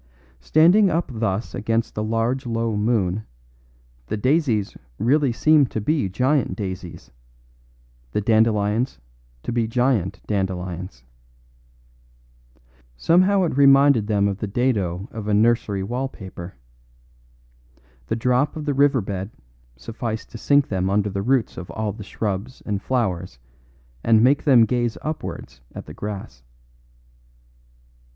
Standing up thus against the large low moon, the daisies really seemed to be giant daisies, the dandelions to be giant dandelions. Somehow it reminded them of the dado of a nursery wall paper. The drop of the river bed sufficed to sink them under the roots of all shrubs and flowers and make them gaze upwards at the grass.